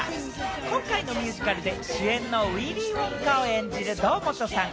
今回のミュージカルで主演のウィリー・ウォンカを演じる堂本さん。